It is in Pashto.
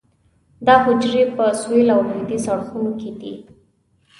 دا حجرې په سویل او لویدیځ اړخونو کې دي.